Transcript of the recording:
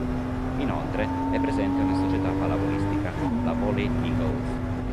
Inoltre è presente una società pallavolistica, la Volley Eagles.